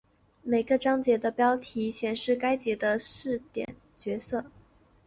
每个章节的标题显示该节的视点角色。